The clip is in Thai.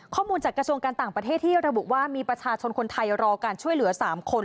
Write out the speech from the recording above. ข้อมูลจากกระทรวงการต่างประเทศที่ระบุว่ามีประชาชนคนไทยรอการช่วยเหลือ๓คน